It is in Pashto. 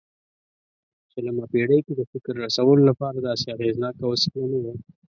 په شلمه پېړۍ کې د فکر رسولو لپاره داسې اغېزناکه وسیله نه وه.